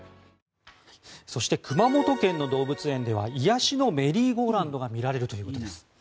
そして熊本県の動物園では癒しのメリーゴーラウンドが見られるということです。